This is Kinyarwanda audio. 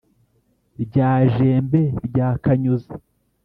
rya jembe rya kanyuza